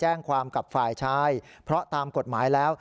แจ้งความกับฝ่ายชายเพราะตามกฎหมายแล้ว